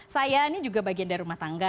saya ini juga bagian dari rumah tangga